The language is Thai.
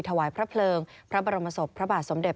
ถวายพระเพลิงพระบรมศพพระบาทสมเด็จ